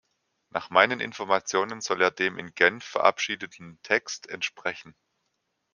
Nach meinen Informationen soll er dem in Genf verabschiedeten Text entsprechen.